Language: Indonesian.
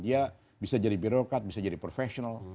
dia bisa jadi birokrat bisa jadi profesional